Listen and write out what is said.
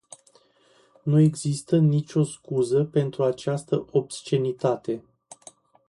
Nu există nicio scuză pentru această obscenitate.